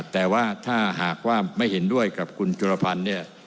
แต่ว่าถ้าหากว่าไม่เห็นด้วยกับคุณจุลพันธ์เนี่ย